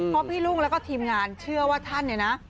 เพราะพี่รุ่งแล้วก็ทีมงานเชื่อว่าท่านเนี่ยนะ